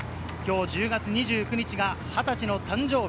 きょう１０月２９日が２０歳の誕生日。